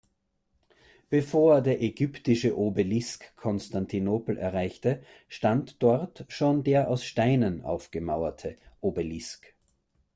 Bevor der ägyptische Obelisk Konstantinopel erreichte, stand dort schon der aus Steinen aufgemauerte Obelisk.